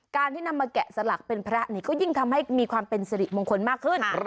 ที่นำมาแกะสลักเป็นพระนี่ก็ยิ่งทำให้มีความเป็นสิริมงคลมากขึ้น